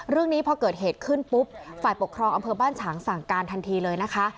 เรื่องนี้พอเกิดเหตุขึ้นปุ๊บฝ่ายปกครองอำเภอบ้านฉางสั่งการทันทีเลยนะคะ